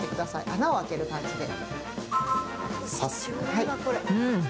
穴を開ける感じで。